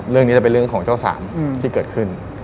เรื่องนี้จะเป็นเรื่องของเจ้าสารที่เกิดขึ้น